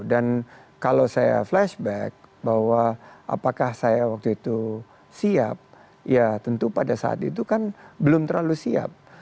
dan kalau saya flashback bahwa apakah saya waktu itu siap ya tentu pada saat itu kan belum terlalu siap